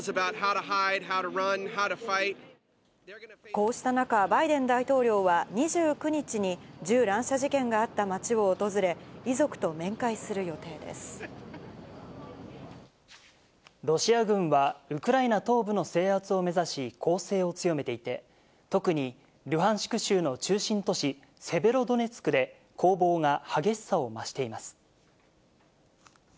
こうした中、バイデン大統領は２９日に銃乱射事件があった町をロシア軍はウクライナ東部の制圧を目指し、攻勢を強めていて、特にルハンシク州の中心都市、セベロドネツクで攻防が激しさを増しています。